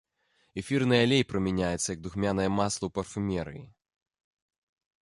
Эфірны алей прымяняецца як духмянае масла ў парфумерыі.